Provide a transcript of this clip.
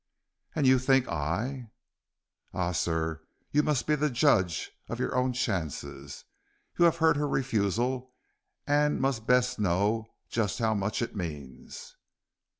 "And you think I " "Ah, sir, you must be the judge of your own chances. You have heard her refusal and must best know just how much it means."